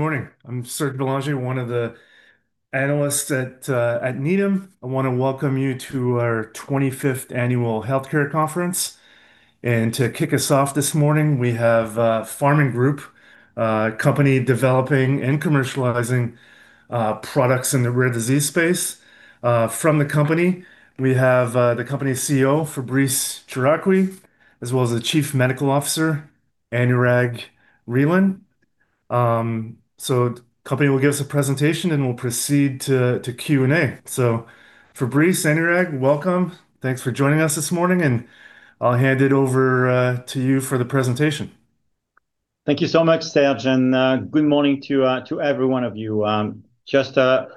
Good morning. I'm Serge Belanger, one of the analysts at Needham. I want to welcome you to our 25th Annual Healthcare Conference. To kick us off this morning, we have Pharming Group, a company developing and commercializing products in the rare disease space. From the company, we have the company's CEO, Fabrice Chouraqui, as well as the Chief Medical Officer, Anurag Relan. The company will give us a presentation, and we'll proceed to Q&A. Fabrice, Anurag, welcome. Thanks for joining us this morning, and I'll hand it over to you for the presentation. Thank you so much, Serge and good morning to every one of you. Just a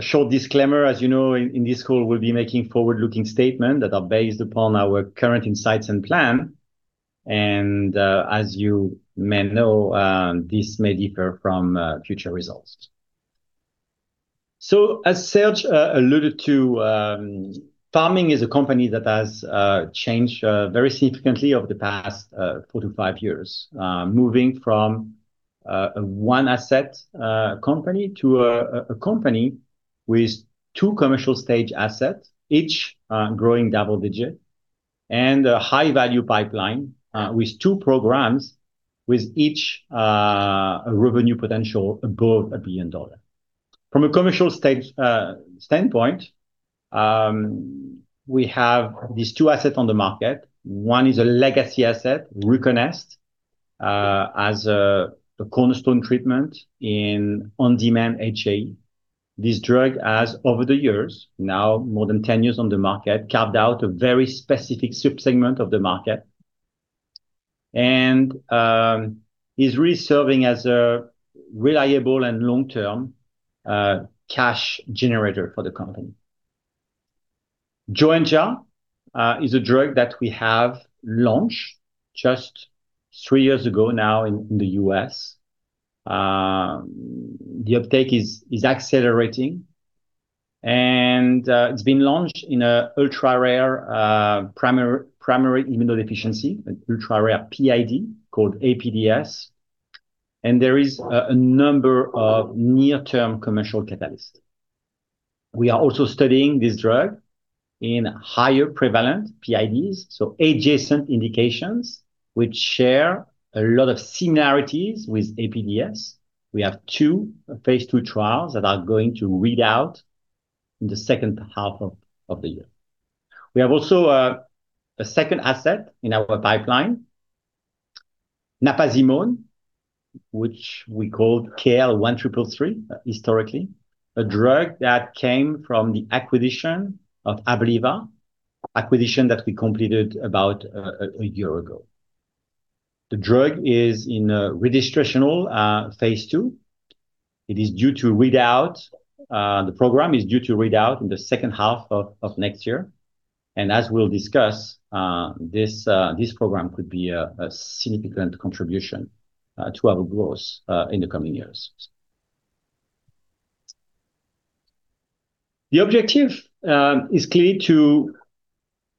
short disclaimer, as you know, in this call, we'll be making forward-looking statements that are based upon our current insights and plan. As you may know, this may differ from future results. As Serge alluded to, Pharming is a company that has changed very significantly over the past four to five years, moving from a one-asset company to a company with two commercial-stage assets, each growing double-digit, and a high-value pipeline with two programs, with each revenue potential above $1 billion. From a commercial standpoint, we have these two assets on the market. One is a legacy asset, RUCONEST, as a cornerstone treatment in on-demand HAE. This drug has, over the years, now more than 10 years on the market, carved out a very specific subsegment of the market and is really serving as a reliable and long-term cash generator for the company. Joenja is a drug that we have launched just three years ago now in the U.S. The uptake is accelerating and it's been launched in a ultra-rare primary immunodeficiency, an ultra-rare PID called APDS. There is a number of near-term commercial catalysts. We are also studying this drug in higher prevalent PIDs, so adjacent indications which share a lot of similarities with APDS. We have two phase II trials that are going to read out in the second half of the year. We have also a second asset in our pipeline, napazimone, which we called KL1333 historically, a drug that came from the acquisition of Abliva, acquisition that we completed about a year ago. The drug is in a registrational phase II. The program is due to read out in the second half of next year. As we'll discuss, this program could be a significant contribution to our growth in the coming years. The objective is clear, to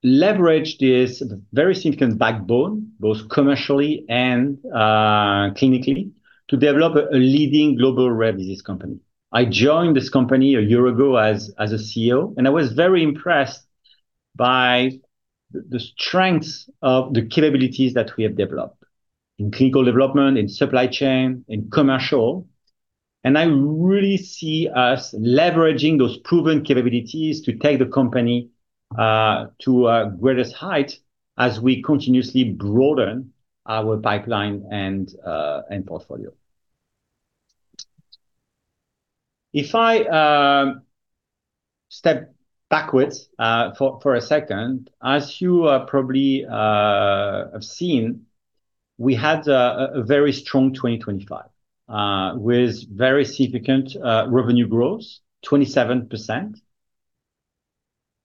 leverage this very significant backbone, both commercially and clinically, to develop a leading global rare disease company. I joined this company a year ago as a CEO, and I was very impressed by the strength of the capabilities that we have developed in clinical development, in supply chain, in commercial. I really see us leveraging those proven capabilities to take the company to greatest height as we continuously broaden our pipeline and portfolio. If I step backwards for a second, as you probably have seen, we had a very strong 2025, with very significant revenue growth, 27%,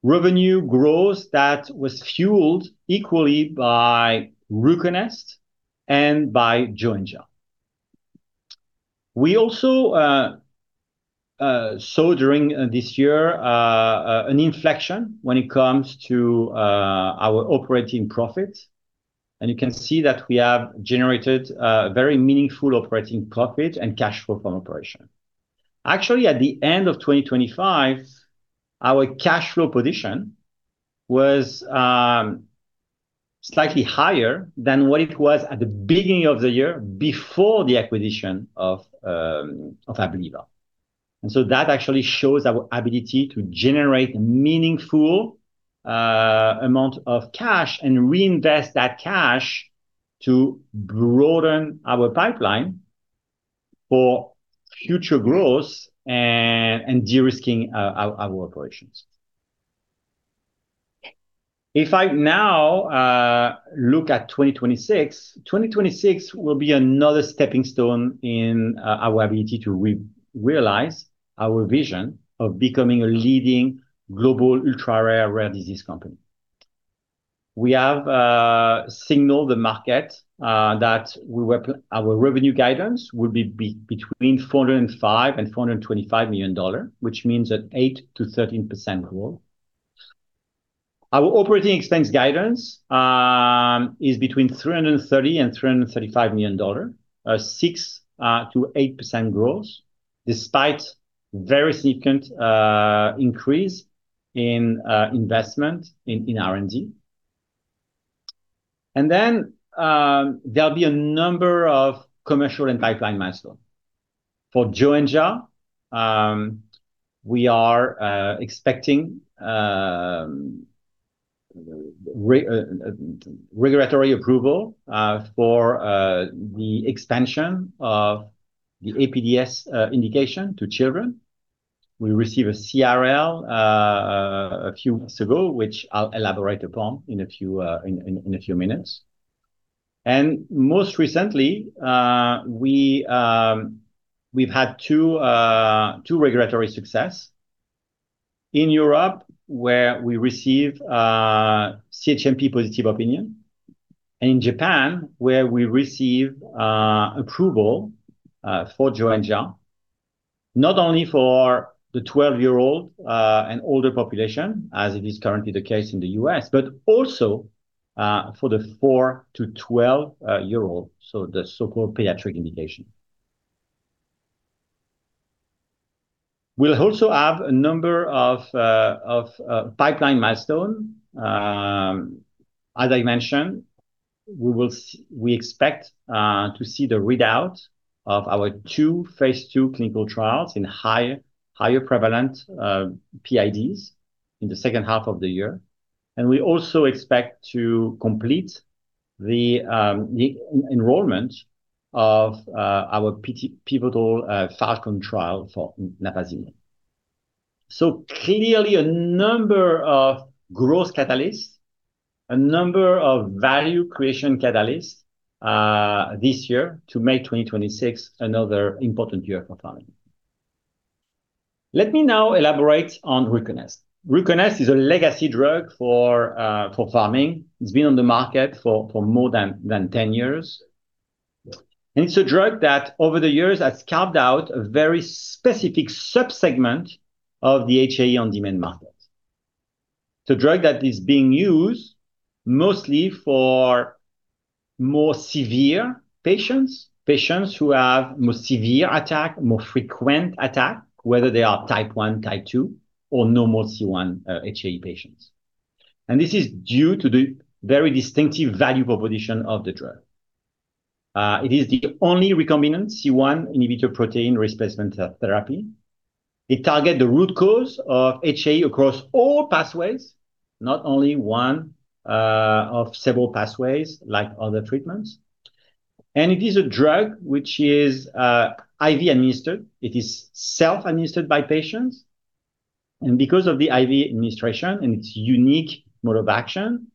revenue growth that was fueled equally by RUCONEST and by Joenja. We also saw during this year an inflection when it comes to our operating profit. You can see that we have generated a very meaningful operating profit and cash flow from operation. Actually, at the end of 2025, our cash flow position was slightly higher than what it was at the beginning of the year before the acquisition of Abliva. That actually shows our ability to generate a meaningful amount of cash and reinvest that cash to broaden our pipeline for future growth and de-risking our operations. If I now look at 2026 will be another stepping stone in our ability to realize our vision of becoming a leading global ultra-rare, rare disease company. We have signaled the market that our revenue guidance would be between $405 million and $425 million, which means an 8%-13% growth. Our operating expense guidance is between $330 million and $335 million, a 6%-8% growth, despite very significant increase in investment in R&D. There'll be a number of commercial and pipeline milestones. For Joenja, we are expecting regulatory approval for the extension of the APDS indication to children. We received a CRL a few months ago, which I'll elaborate upon in a few minutes. Most recently, we've had two regulatory success. In Europe, where we received CHMP positive opinion, and in Japan, where we received approval for Joenja, not only for the 12 year old, and older population, as it is currently the case in the US, but also for the 4-12 year old, so the so-called pediatric indication. We'll also have a number of pipeline milestone. As I mentioned, we expect to see the readout of our two phase two clinical trials in higher prevalent PIDs in the second half of the year. And we also expect to complete the enrollment of our pivotal FALCON trial for naproxen. So clearly a number of growth catalysts, a number of value creation catalysts this year to make 2026 another important year for Pharming. Let me now elaborate on Ruconest. Ruconest is a legacy drug for Pharming. It's been on the market for more than 10 years. It's a drug that over the years has carved out a very specific subsegment of the HAE on-demand market. It's a drug that is being used mostly for more severe patients. Patients who have more severe attack, more frequent attack, whether they are type one, type two, or normal C1HAE patients. This is due to the very distinctive value proposition of the drug. It is the only recombinant C1 inhibitor protein replacement therapy. It target the root cause of HAE across all pathways, not only one of several pathways like other treatments. It is a drug which is IV administered. It is self-administered by patients. Because of the IV administration and its unique mode of action,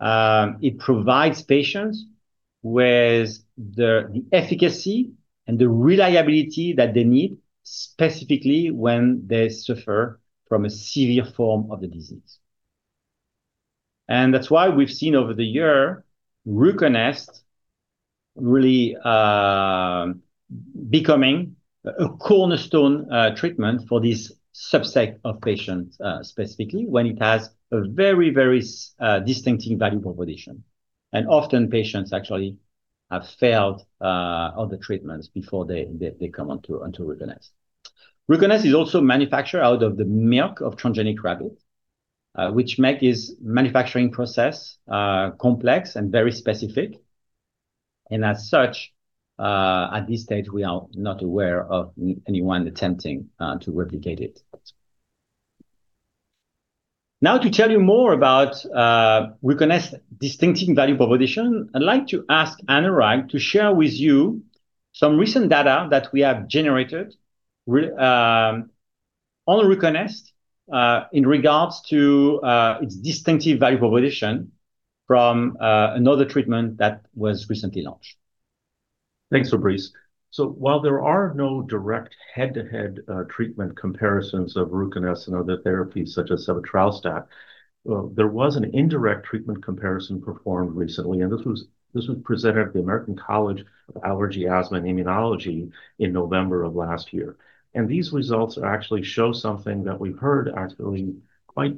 it provides patients with the efficacy and the reliability that they need, specifically when they suffer from a severe form of the disease. That's why we've seen over the year RUCONEST really becoming a cornerstone treatment for this subset of patients, specifically when it has a very distinctive value proposition. Often patients actually have failed other treatments before they come onto RUCONEST. RUCONEST is also manufactured out of the milk of transgenic rabbits, which make its manufacturing process complex and very specific. As such, at this stage, we are not aware of anyone attempting to replicate it. Now to tell you more about RUCONEST's distinctive value proposition, I'd like to ask Anurag to share with you some recent data that we have generated on RUCONEST, in regards to its distinctive value proposition from another treatment that was recently launched. Thanks Fabrice. While there are no direct head-to-head treatment comparisons of RUCONEST and other therapies such as sebetralstat, there was an indirect treatment comparison performed recently, and this was presented at the American College of Allergy, Asthma, and Immunology in November of last year. These results actually show something that we've heard actually quite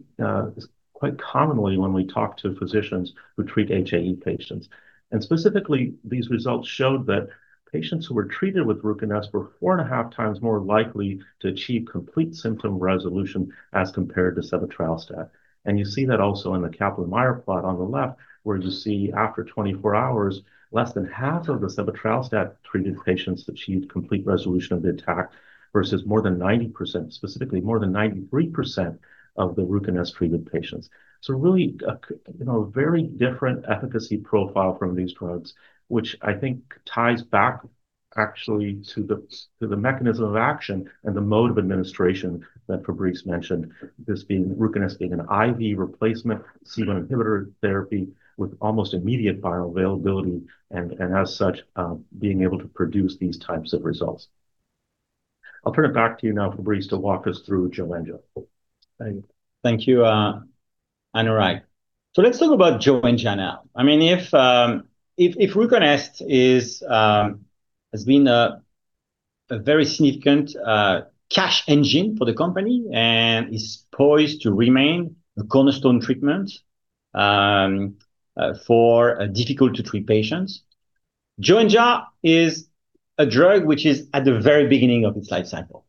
commonly when we talk to physicians who treat HAE patients. Specifically, these results showed that patients who were treated with RUCONEST were 4.5x more likely to achieve complete symptom resolution as compared to sebetralstat. You see that also in the Kaplan-Meier plot on the left, where you see after 24 hours, less than half of the sebetralstat-treated patients achieved complete resolution of the attack, versus more than 90%, specifically more than 93% of the RUCONEST-treated patients. Really a very different efficacy profile from these drugs, which I think ties back actually to the mechanism of action and the mode of administration that Fabrice mentioned, RUCONEST being an IV replacement, C1 inhibitor therapy with almost immediate bioavailability and as such, being able to produce these types of results. I'll turn it back to you now, Fabrice, to walk us through Joenja. Thank you. Thank you Anurag. Let's talk about Joenja now. If RUCONEST has been a very significant cash engine for the company and is poised to remain the cornerstone treatment for difficult-to-treat patients, Joenja is a drug which is at the very beginning of its life cycle.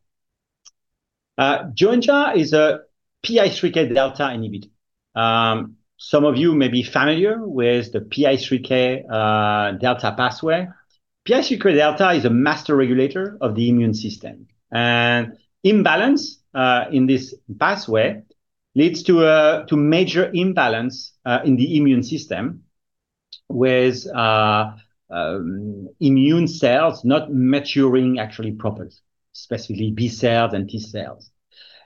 Joenja is a PI3K delta inhibitor. Some of you may be familiar with the PI3K delta pathway. PI3K delta is a master regulator of the immune system. Imbalance in this pathway leads to major imbalance in the immune system with immune cells not maturing actually properly, specifically B cells and T cells.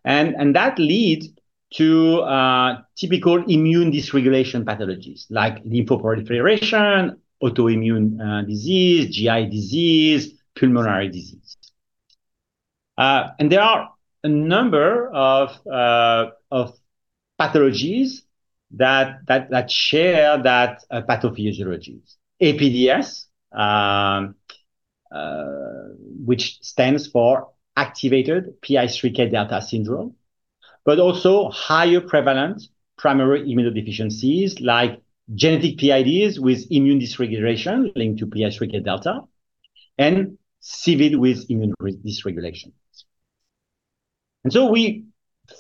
That leads to typical immune dysregulation pathologies like lymphoproliferation, autoimmune disease, GI disease, pulmonary disease. There are a number of pathologies that share that pathophysiology. APDS, which stands for activated PI3K delta syndrome, but also higher prevalent primary immunodeficiencies like genetic PIDs with immune dysregulation linked to PI3K delta and CVID with immune dysregulation. We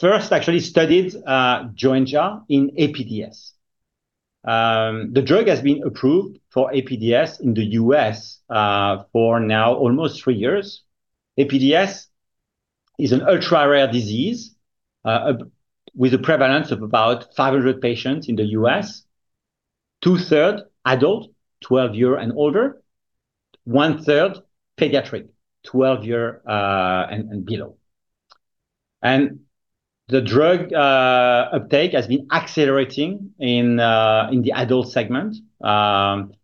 first actually studied Joenja in APDS. The drug has been approved for APDS in the U.S. for now almost three years. APDS is an ultra-rare disease with a prevalence of about 500 patients in the U.S. 2/3 adult, 12 year and older, 1/3 pediatric, 12 year and below. The drug uptake has been accelerating in the adult segment.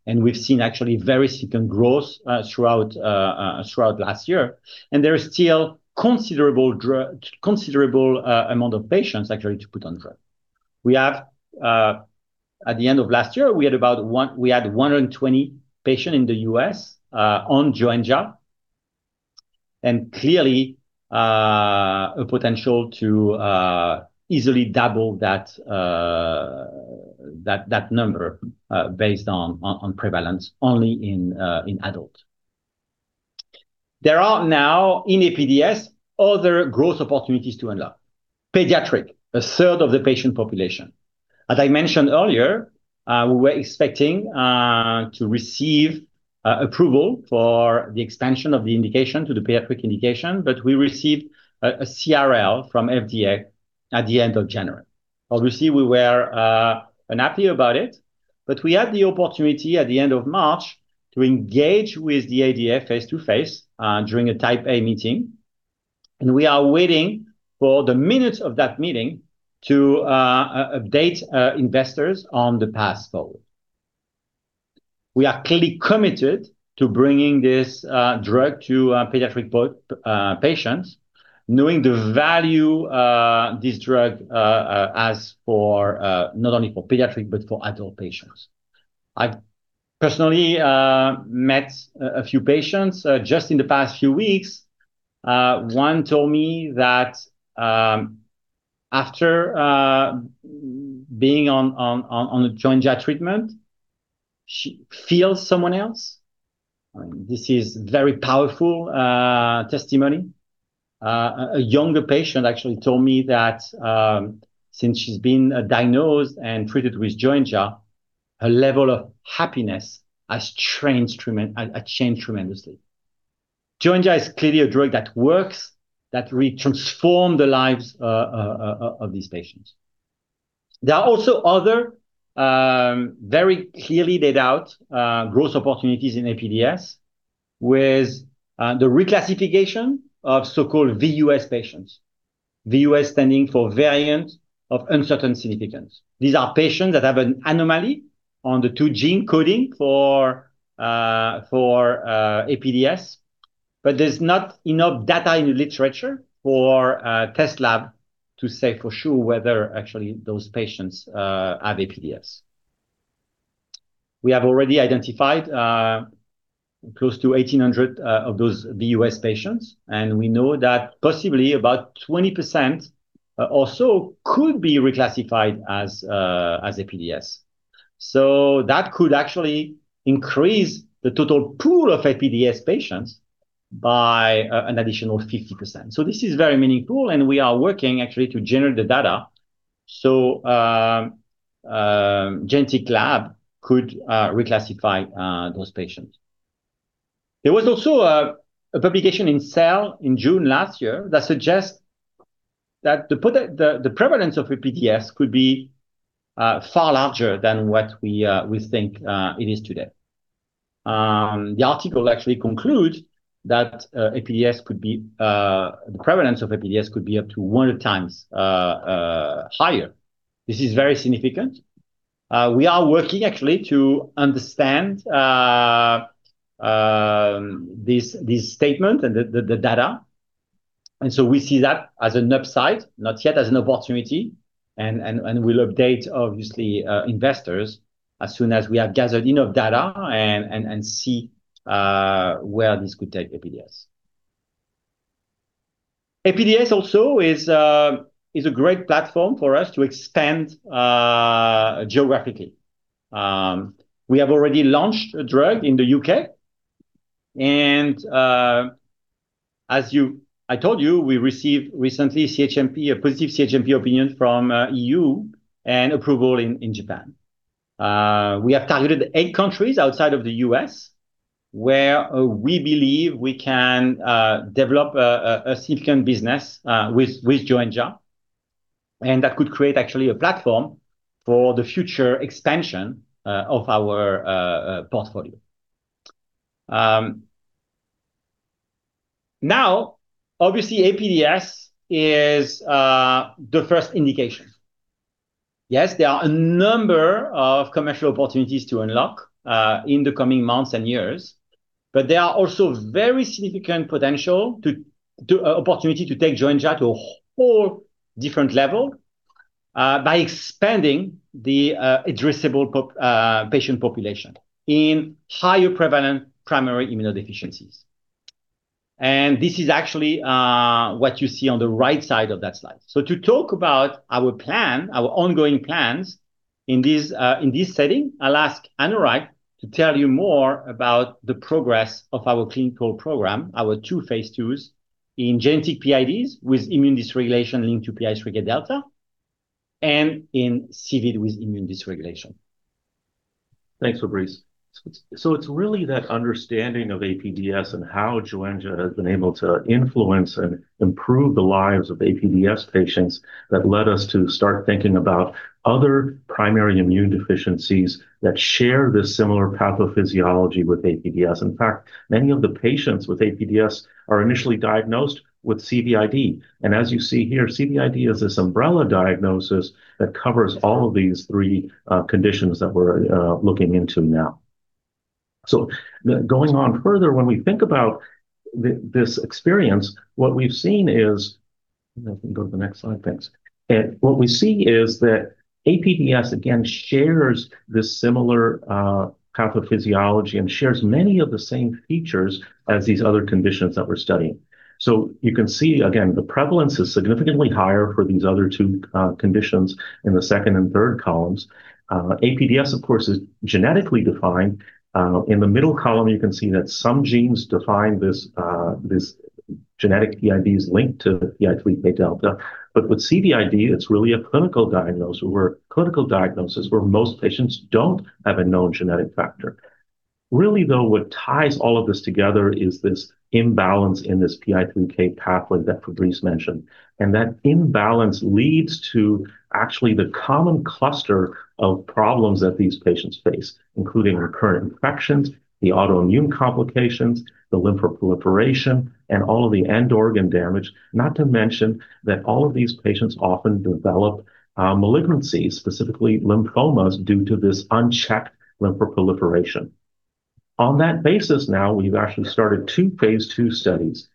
We've seen actually very significant growth throughout last year. There is still considerable amount of patients actually to put on drug. At the end of last year, we had 120 patients in the U.S. on Joenja. Clearly, a potential to easily double that number based on prevalence only in adult. There are now in APDS other growth opportunities to unlock, pediatric, 1/3 of the patient population. As I mentioned earlier, we were expecting to receive approval for the expansion of the indication to the pediatric indication, but we received a CRL from FDA at the end of January. Obviously, we were unhappy about it, but we had the opportunity at the end of March to engage with the FDA face-to-face during a Type A meeting. We are waiting for the minutes of that meeting to update investors on the path forward. We are clearly committed to bringing this drug to pediatric patients, knowing the value this drug has not only for pediatric, but for adult patients. I've personally met a few patients just in the past few weeks. One told me that after being on a Joenja treatment, she feels someone else. This is very powerful testimony. A younger patient actually told me that since she's been diagnosed and treated with Joenja, her level of happiness has changed tremendously. Joenja is clearly a drug that works, that really transformed the lives of these patients. There are also other very clearly laid out growth opportunities in APDS with the reclassification of so-called VUS patients, VUS standing for variant of uncertain significance. These are patients that have an anomaly on the two gene coding for APDS, but there's not enough data in the literature for a test lab to say for sure whether actually those patients have APDS. We have already identified close to 1,800 of those VUS patients, and we know that possibly about 20% or so could be reclassified as APDS. That could actually increase the total pool of APDS patients by an additional 50%. This is very meaningful, and we are working actually to generate the data so genetic lab could reclassify those patients. There was also a publication in Cell in June last year that suggests that the prevalence of APDS could be far larger than what we think it is today. The article actually concludes that the prevalence of APDS could be up to 100x higher. This is very significant. We are working actually to understand this statement and the data. We see that as an upside, not yet as an opportunity. We'll update, obviously, investors as soon as we have gathered enough data and see where this could take APDS. APDS also is a great platform for us to expand geographically. We have already launched a drug in the U.K., and as I told you, we received recently a positive CHMP opinion from E.U. and approval in Japan. We have targeted eight countries outside of the U.S. where we believe we can develop a significant business with Joenja, and that could create actually a platform for the future expansion of our portfolio. Now, obviously, APDS is the first indication. Yes, there are a number of commercial opportunities to unlock in the coming months and years, but there are also very significant potential opportunity to take Joenja to a whole different level by expanding the addressable patient population in higher prevalent primary immunodeficiencies. This is actually what you see on the right side of that slide. To talk about our ongoing plans in this setting, I'll ask Anurag to tell you more about the progress of our clinical program, our two phase II's in genetic PIDs with immune dysregulation linked to PI3K-delta and in CVID with immune dysregulation. Thanks Fabrice. It's really that understanding of APDS and how Joenja has been able to influence and improve the lives of APDS patients that led us to start thinking about other primary immune deficiencies that share this similar pathophysiology with APDS. In fact, many of the patients with APDS are initially diagnosed with CVID. As you see here, CVID is this umbrella diagnosis that covers all of these three conditions that we're looking into now. Going on further, when we think about this experience, you can go to the next slide. Thanks. What we see is that APDS, again, shares this similar pathophysiology and shares many of the same features as these other conditions that we're studying. You can see, again, the prevalence is significantly higher for these other two conditions in the second and third columns. APDS, of course, is genetically defined. In the middle column, you can see that some genes define this genetic PIDs linked to PI3K-delta. With CVID, it's really a clinical diagnosis where most patients don't have a known genetic factor. Really, though, what ties all of this together is this imbalance in this PI3K pathway that Fabrice mentioned, and that imbalance leads to actually the common cluster of problems that these patients face, including recurrent infections, the autoimmune complications, the lymphoproliferation, and all of the end organ damage. Not to mention that all of these patients often develop malignancies, specifically lymphomas, due to this unchecked lymphoproliferation. On that basis now, we've actually started two phase II studies,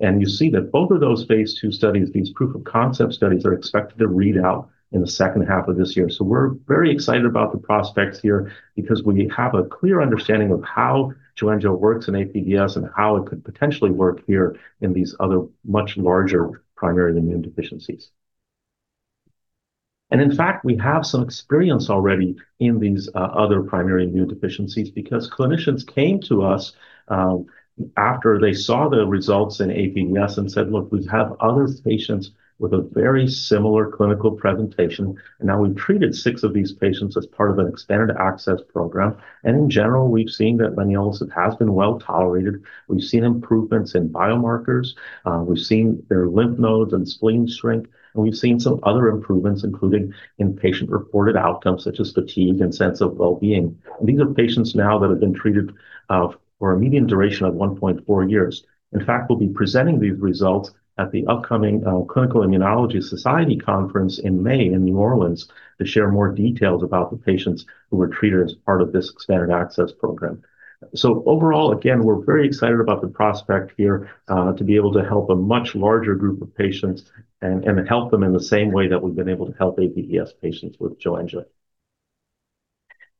and you see that both of those phase II studies, these proof of concept studies, are expected to read out in the second half of this year. We're very excited about the prospects here because we have a clear understanding of how Joenja works in APDS and how it could potentially work here in these other much larger primary immune deficiencies. In fact, we have some experience already in these other primary immune deficiencies because clinicians came to us after they saw the results in APDS and said, "Look, we have other patients with a very similar clinical presentation." Now we've treated six of these patients as part of an Expanded Access Program. In general, we've seen that leniolisib has been well-tolerated. We've seen improvements in biomarkers. We've seen their lymph nodes and spleen shrink, and we've seen some other improvements, including in patient-reported outcomes such as fatigue and sense of well-being. These are patients now that have been treated for a median duration of 1.4 years. In fact, we'll be presenting these results at the upcoming Clinical Immunology Society conference in May in New Orleans to share more details about the patients who were treated as part of this Expanded Access Program. Overall, again, we're very excited about the prospect here to be able to help a much larger group of patients and help them in the same way that we've been able to help APDS patients with Joenja.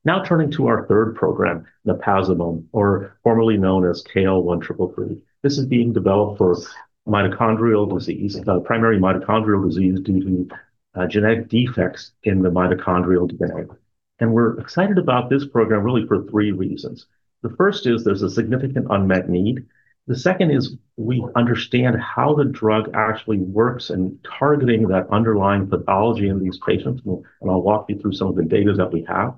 Now turning to our third program, napazimone, or formerly known as KL1333. This is being developed for primary mitochondrial disease due to genetic defects in the mitochondrial DNA. We're excited about this program really for three reasons. The first is there's a significant unmet need. The second is we understand how the drug actually works in targeting that underlying pathology in these patients, and I'll walk you through some of the data that we have.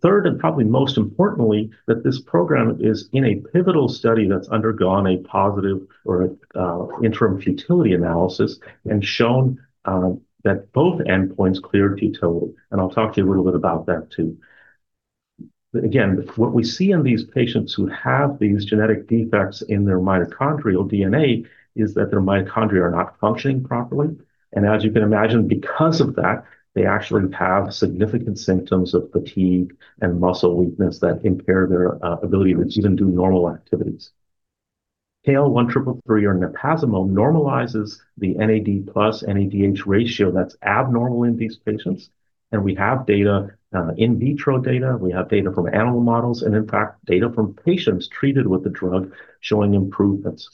Third, and probably most importantly, that this program is in a pivotal study that's undergone a positive or interim futility analysis and shown that both endpoints cleared detailed, and I'll talk to you a little bit about that too. Again, what we see in these patients who have these genetic defects in their mitochondrial DNA is that their mitochondria are not functioning properly. As you can imagine, because of that, they actually have significant symptoms of fatigue and muscle weakness that impair their ability to even do normal activities. KL1333 or napazimone normalizes the NAD+/NADH ratio that's abnormal in these patients. We have data, in vitro data, we have data from animal models, and in fact, data from patients treated with the drug showing improvements.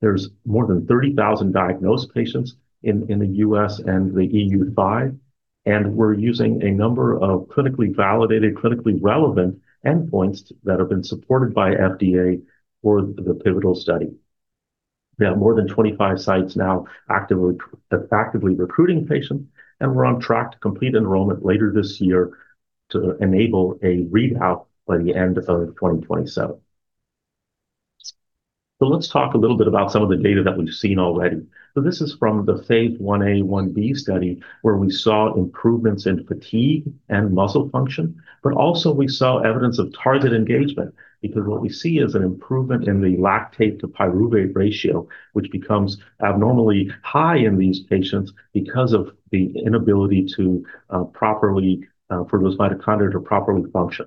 There's more than 30,000 diagnosed patients in the U.S. and the E.U.5, and we're using a number of clinically validated, clinically relevant endpoints that have been supported by FDA for the pivotal study. We have more than 25 sites now actively recruiting patients, and we're on track to complete enrollment later this year to enable a readout by the end of 2027. Let's talk a little bit about some of the data that we've seen already. This is from the phase I-A/I-B study, where we saw improvements in fatigue and muscle function, but also we saw evidence of target engagement. Because what we see is an improvement in the lactate to pyruvate ratio, which becomes abnormally high in these patients because of the inability for those mitochondria to properly function.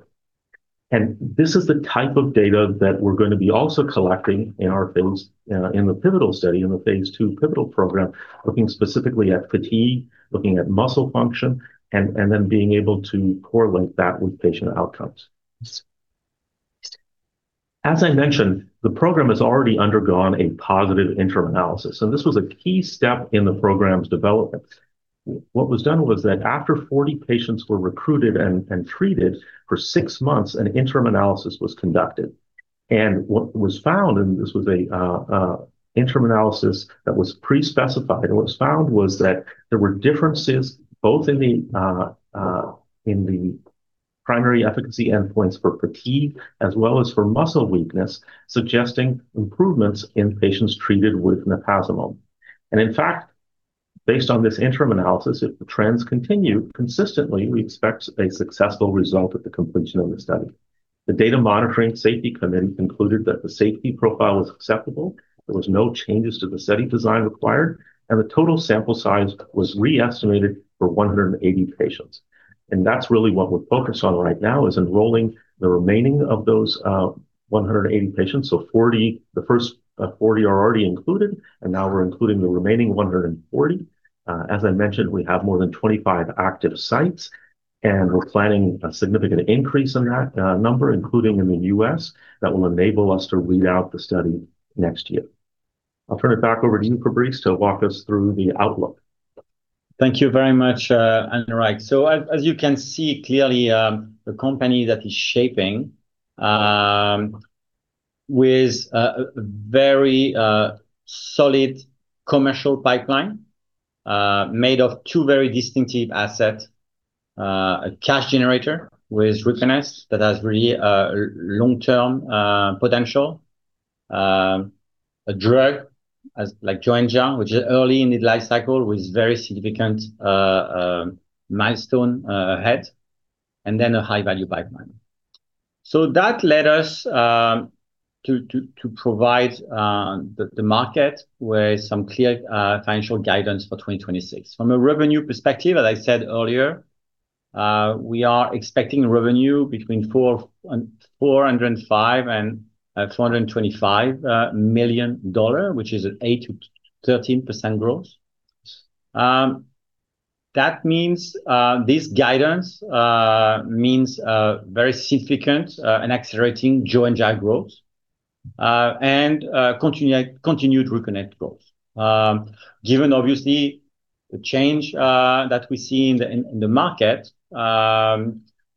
This is the type of data that we're going to be also collecting in the pivotal study, in the phase II pivotal program, looking specifically at fatigue, looking at muscle function, and then being able to correlate that with patient outcomes. As I mentioned, the program has already undergone a positive interim analysis, and this was a key step in the program's development. What was done was that after 40 patients were recruited and treated for six months, an interim analysis was conducted. What was found, and this was a interim analysis that was pre-specified, and what was found was that there were differences both in the primary efficacy endpoints for fatigue as well as for muscle weakness, suggesting improvements in patients treated with napazimone. In fact, based on this interim analysis, if the trends continue consistently, we expect a successful result at the completion of the study. The Data Monitoring Safety Committee concluded that the safety profile was acceptable, there was no changes to the study design required, and the total sample size was re-estimated for 180 patients. That's really what we're focused on right now, is enrolling the remaining of those 180 patients. The first 40 are already included, and now we're including the remaining 140. As I mentioned, we have more than 25 active sites, and we're planning a significant increase in that number, including in the U.S., that will enable us to read out the study next year. I'll turn it back over to you, Fabrice, to walk us through the outlook. Thank you very much, Anurag Relan. As you can see clearly, the company that is shaping with a very solid commercial pipeline, made of two very distinctive asset. A cash generator with RUCONEST that has really long-term potential. A drug like Joenja, which is early in its life cycle with very significant milestone ahead, and then a high-value pipeline. That led us to provide the market with some clear financial guidance for 2026. From a revenue perspective, as I said earlier, we are expecting revenue between $405 million and $425 million, which is an 8%-13% growth. This guidance means very significant and accelerating Joenja growth, and continued RUCONEST growth. Given obviously the change that we see in the market,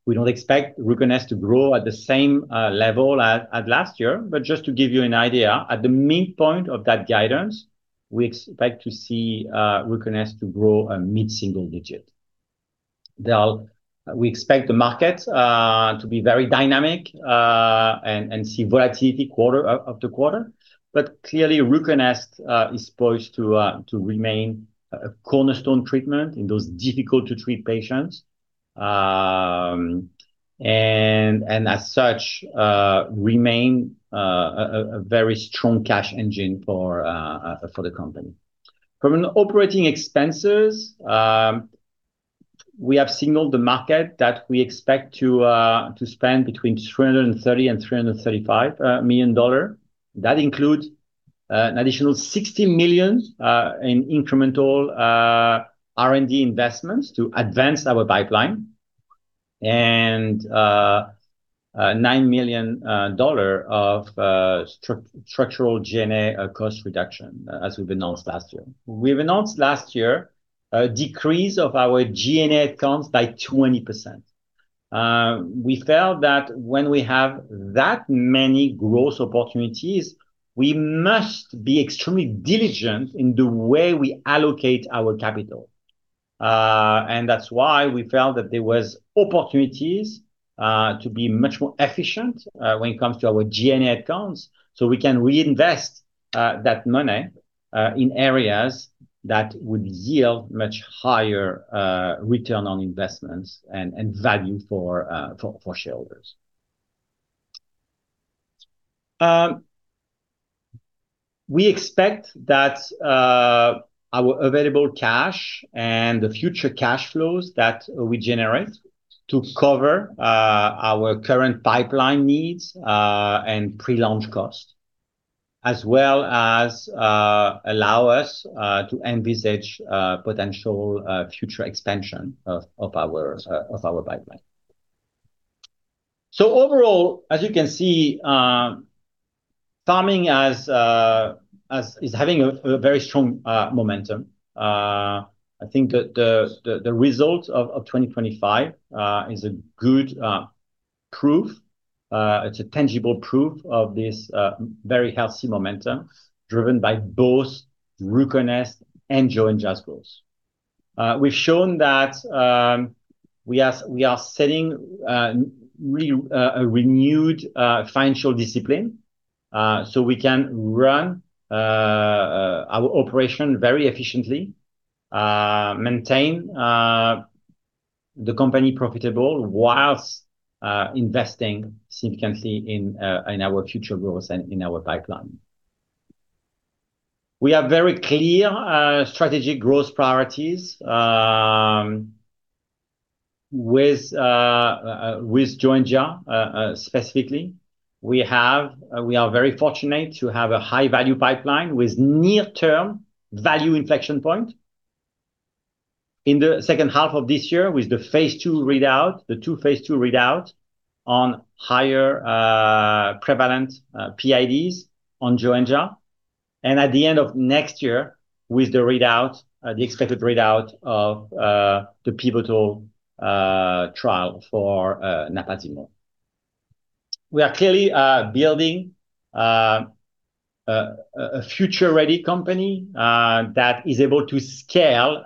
we don't expect RUCONEST to grow at the same level as last year. Just to give you an idea, at the midpoint of that guidance, we expect to see RUCONEST to grow a mid-single-digit. We expect the market to be very dynamic and see volatility quarter after quarter. Clearly, RUCONEST is poised to remain a cornerstone treatment in those difficult-to-treat patients and, as such, remain a very strong cash engine for the company. From an operating expenses, we have signaled the market that we expect to spend between $330 million and $335 million. That includes an additional $60 million in incremental R&D investments to advance our pipeline and $9 million of structural G&A cost reduction, as we've announced last year. We've announced last year a decrease of our G&A headcount by 20%. We felt that when we have that many growth opportunities, we must be extremely diligent in the way we allocate our capital. That's why we felt that there was opportunities to be much more efficient when it comes to our G&A accounts, so we can reinvest that money in areas that would yield much higher return on investments and value for shareholders. We expect that our available cash and the future cash flows that we generate to cover our current pipeline needs and pre-launch cost, as well as allow us to envisage potential future expansion of our pipeline. Overall, as you can see, Pharming is having a very strong momentum. I think that the result of 2025 is a good proof. It's a tangible proof of this very healthy momentum driven by both RUCONEST and Joenja's growth. We've shown that we are setting a renewed financial discipline, so we can run our operation very efficiently, maintain the company profitable whilst investing significantly in our future growth and in our pipeline. We have very clear strategic growth priorities. With Joenja specifically, we are very fortunate to have a high-value pipeline with near-term value inflection point in the second half of this year with the two phase II readout on higher prevalent PIDs on Joenja, and at the end of next year with the expected readout of the pivotal trial for napazimone. We are clearly building a future-ready company that is able to scale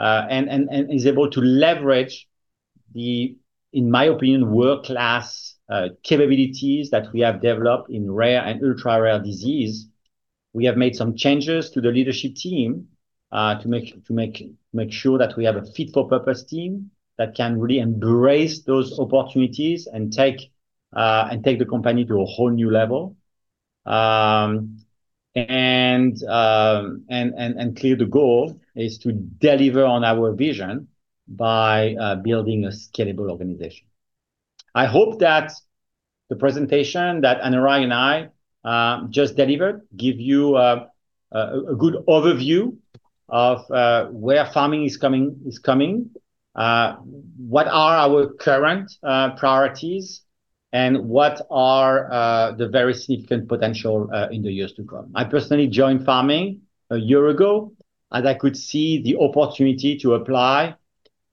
and is able to leverage the, in my opinion, world-class capabilities that we have developed in rare and ultra-rare disease. We have made some changes to the leadership team to make sure that we have a fit-for-purpose team that can really embrace those opportunities and take the company to a whole new level. Clearly the goal is to deliver on our vision by building a scalable organization. I hope that the presentation that Anurag Relan and I just delivered give you a good overview of where Pharming is coming, what are our current priorities, and what are the very significant potential in the years to come. I personally joined Pharming a year ago, as I could see the opportunity to apply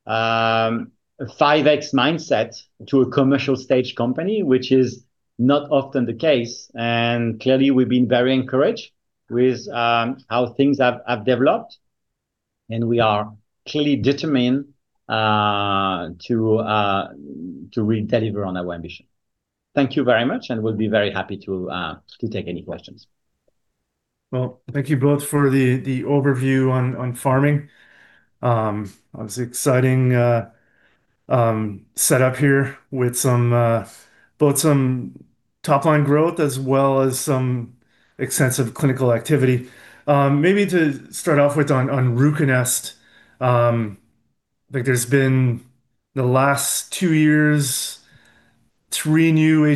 a 5x mindset to a commercial-stage company, which is not often the case. Clearly, we've been very encouraged with how things have developed, and we are clearly determined to redeliver on our ambition. Thank you very much, and we'll be very happy to take any questions. Well, thank you both for the overview on Pharming. Obviously exciting setup here with both some top-line growth as well as some extensive clinical activity. Maybe to start off with on RUCONEST, there's been the last two years, three new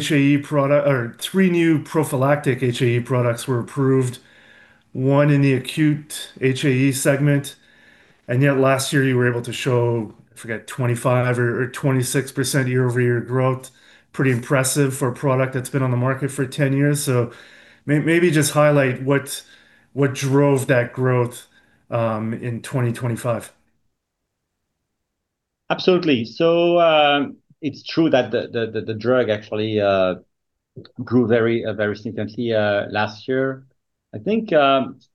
prophylactic HAE products were approved, one in the acute HAE segment. Yet last year you were able to show, I forget, 25% or 26% year-over-year growth. Pretty impressive for a product that's been on the market for 10 years. Maybe just highlight what drove that growth in 2025. Absolutely. It's true that the drug actually grew very significantly last year. I think as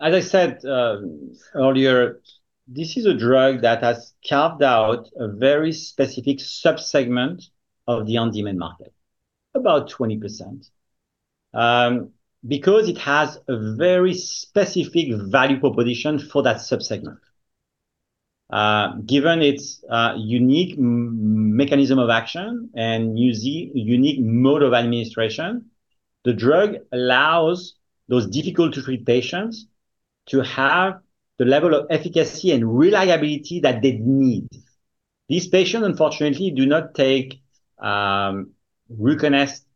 I said earlier, this is a drug that has carved out a very specific sub-segment of the on-demand market, about 20%, because it has a very specific value proposition for that sub-segment. Given its unique mechanism of action and unique mode of administration, the drug allows those difficult-to-treat patients to have the level of efficacy and reliability that they need. These patients, unfortunately, do not take RUCONEST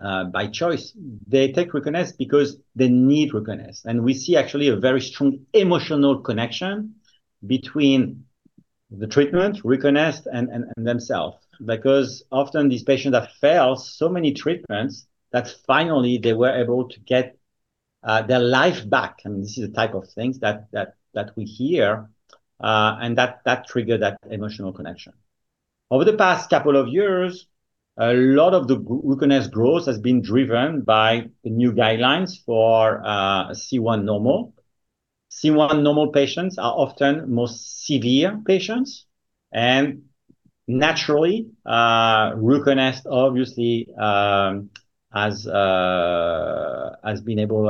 by choice. They take RUCONEST because they need RUCONEST. We see actually a very strong emotional connection between the treatment, RUCONEST, and themselves because often these patients have failed so many treatments that finally they were able to get their life back, and this is the type of things that we hear, and that triggered that emotional connection. Over the past couple of years, a lot of the RUCONEST growth has been driven by the new guidelines for C1 normal. C1 normal patients are often most severe patients and naturally, RUCONEST obviously has been able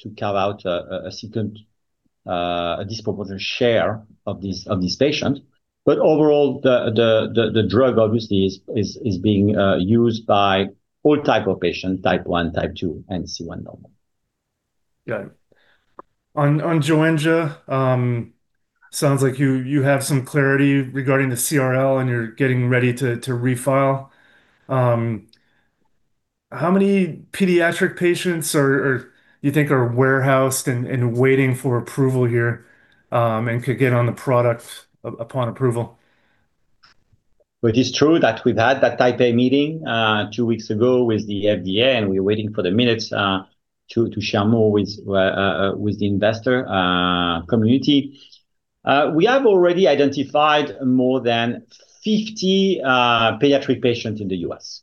to carve out a disproportionate share of these patients. Overall, the drug obviously is being used by all type of patients, Type one, Type two, and C1 normal. Got it. On Joenja, sounds like you have some clarity regarding the CRL and you're getting ready to refile. How many pediatric patients do you think are warehoused and waiting for approval here, and could get on the product upon approval? Which is true that we've had that Type A meeting two weeks ago with the FDA, and we're waiting for the minutes to share more with the investor community. We have already identified more than 50 pediatric patients in the U.S.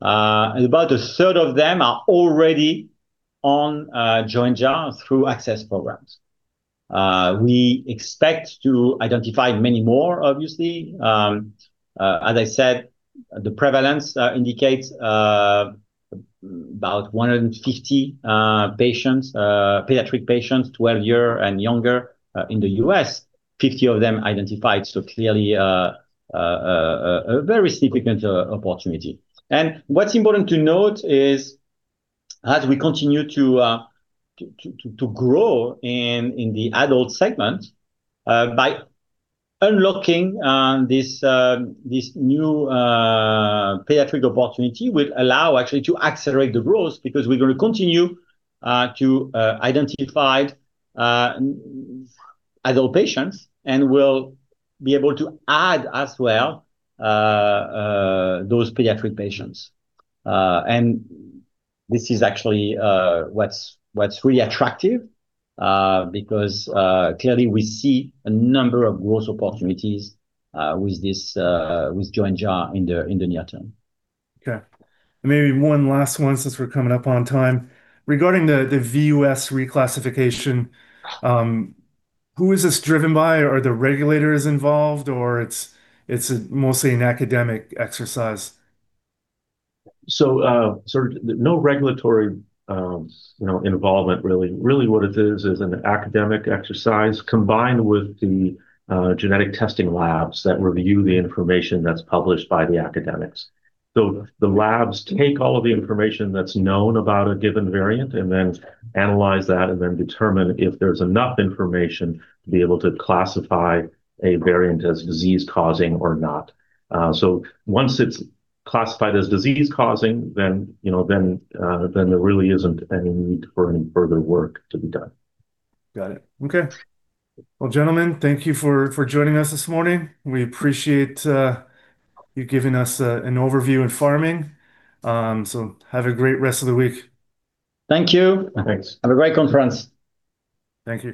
About a third of them are already on Joenja through access programs. We expect to identify many more, obviously. As I said, the prevalence indicates about 150 pediatric patients 12 years and younger in the U.S., 50 of them identified, so clearly a very significant opportunity. What's important to note is as we continue to grow in the adult segment, by unlocking this new pediatric opportunity will allow actually to accelerate the growth because we're going to continue to identify adult patients and will be able to add as well those pediatric patients. This is actually what's really attractive, because clearly we see a number of growth opportunities with Joenja in the near term. Okay. Maybe one last one since we're coming up on time. Regarding the VUS reclassification, who is this driven by? Are the regulators involved or it's mostly an academic exercise? No regulatory involvement, really. Really, what it is is an academic exercise combined with the genetic testing labs that review the information that's published by the academics. The labs take all of the information that's known about a given variant and then analyze that and then determine if there's enough information to be able to classify a variant as disease-causing or not. Once it's classified as disease-causing, then there really isn't any need for any further work to be done. Got it. Okay. Well, gentlemen, thank you for joining us this morning. We appreciate you giving us an overview in Pharming. Have a great rest of the week. Thank you. Thanks. Have a great conference. Thank you.